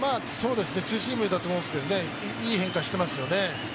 ツーシームだと思うんですけど、いい変化をしていますよね。